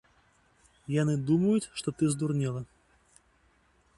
Яны думаюць, што ты здурнела.